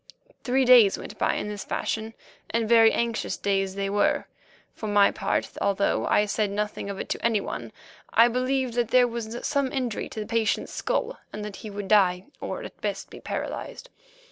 Three days went by in this fashion, and very anxious days they were. For my part, although I said nothing of it to any one, I believed that there was some injury to the patient's skull and that he would die, or at best be paralyzed.